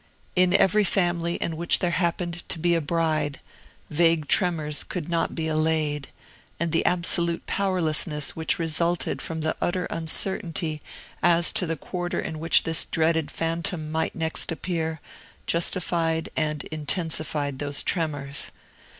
In every family in which there happened to be a bride, vague tremors could not be allayed; and the absolute powerlessness which resulted from the utter uncertainty as to the quarter in which this dreaded phantom might next appear, justified and intensified those tremors.